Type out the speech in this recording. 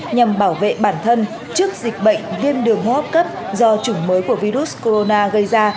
nhằm bảo vệ bản thân trước dịch bệnh viên đường hốt cấp do chủng mới của virus corona gây ra